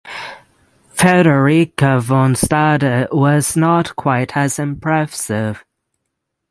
Frederica von Stade was not quite as impressive.